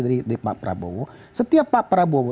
dari pak prabowo setiap pak prabowo